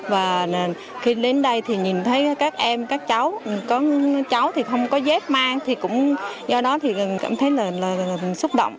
và khi đến đây thì nhìn thấy các em các cháu thì không có dép mang thì cũng do đó thì cảm thấy là xúc động